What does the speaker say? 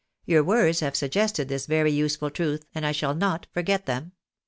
Your words have suggested this very useful truth, and I shall not forget them.